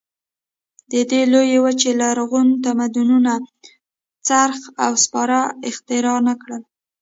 د دې لویې وچې لرغونو تمدنونو څرخ او سپاره اختراع نه کړل.